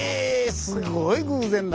すごい偶然だ。